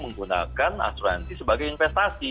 menggunakan insuransi sebagai investasi